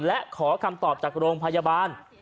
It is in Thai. และขอคำตอบจากโรงพยาบาล